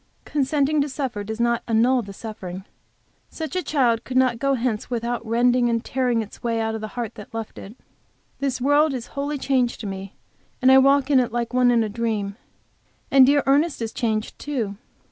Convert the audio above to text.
Consenting to suffer does not annul the suffering. Such a child could not go hence without rending and tearing its way out of the heart that loved it. This world is wholly changed to me and I walk in it like one in a dream. And dear Ernest is changed, too.